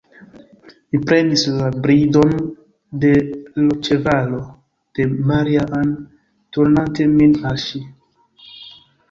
Mi prenis la bridon de l' ĉevalo de Maria-Ann turnante min al ŝi.